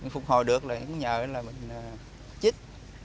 phục hồi được là nhờ chích